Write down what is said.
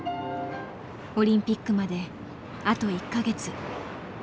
オリンピックまであと１か月。